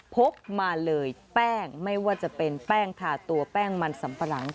กมาเลยแป้งไม่ว่าจะเป็นแป้งทาตัวแป้งมันสัมปะหลัง